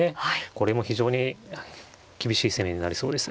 これも非常に厳しい攻めになりそうです。